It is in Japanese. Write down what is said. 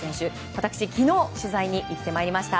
私、昨日取材に行ってまいりました。